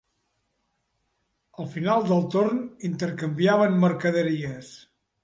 Al final del torn intercanviaven mercaderies.